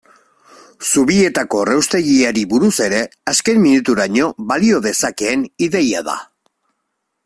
Zubietako erraustegiari buruz ere, azken minuturaino balio dezakeen ideia da.